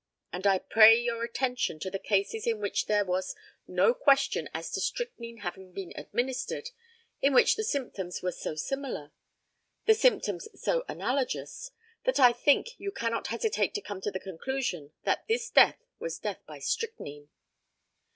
And I pray your attention to the cases in which there was no question as to strychnine having been administered in which the symptoms were so similar the symptoms so analogous that I think you cannot hesitate to come to the conclusion that this death was death by strychnine.